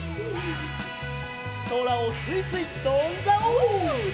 そらをスイスイとんじゃおう！